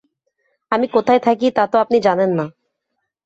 আমি কোথায় থাকি তা তো আপনি জানেন না।